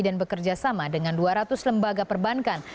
dan bekerja sama dengan dua ratus lembaga perbankan